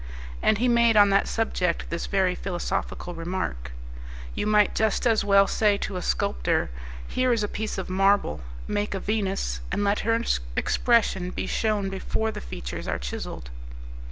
And he made on that subject this very philosophical remark: "You might just as well say to a sculptor, 'Here is a piece of marble, make a Venus, and let her expression be shewn before the features are chiselled.